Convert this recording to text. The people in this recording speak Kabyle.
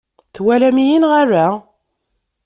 Twalam-iyi neɣ ala?